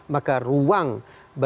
maka ruang bagi terdiri dari kerajaan